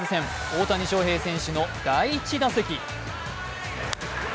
大谷翔平選手の第１打席。